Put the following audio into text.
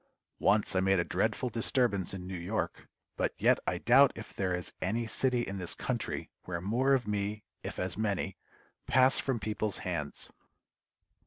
Once I made a dreadful disturbance in New York, but yet I doubt if there is any city in this country where more of me, if as many, pass from people's hands.